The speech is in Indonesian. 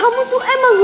kamu tuh emangnya sungguh